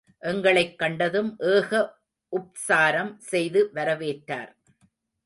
எங்களைக் கண்டதும் ஏக உப்சாரம் செய்து வரவேற்றார்.